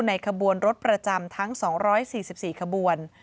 ขบวนรถประจำทั้ง๒๔๔ขบวน